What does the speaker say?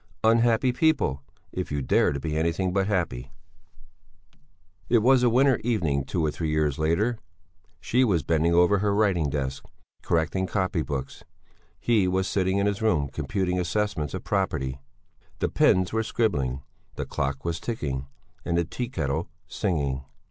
Unhappy people, if you dare to be anything but happy! It was a winter evening two or three years later; she was bending over her writing desk, correcting copybooks, he was sitting in his room computing assessments of property. The pens were scribbling, the clock was ticking, and the tea kettle singing.